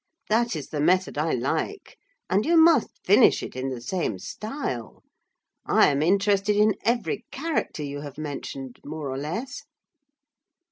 That is the method I like; and you must finish it in the same style. I am interested in every character you have mentioned, more or less."